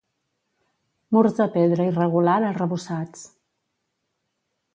Murs de pedra irregular arrebossats.